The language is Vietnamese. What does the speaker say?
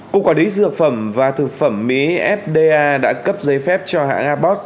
cục quản lý dược phẩm và thực phẩm mỹ fda đã cấp giấy phép cho hãng abot